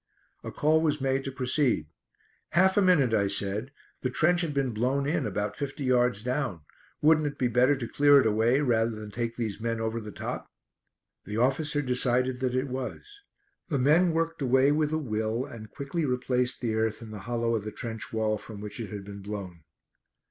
A call was made to proceed. "Half a minute," I said, "the trench had been blown in about fifty yards down, wouldn't it be better to clear it away rather than take these men over the top?" The officer decided that it was. The men worked away with a will, and quickly replaced the earth in the hollow of the trench wall from which it had been blown.